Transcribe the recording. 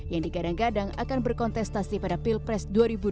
yang digadang gadang akan berkontestasi pada pilpres dua ribu dua puluh